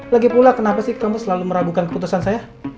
lagipula kenapa sih kamu selalu meragukan keputusan saya